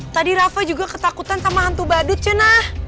tadi rafa juga ketakutan sama hantu badut cina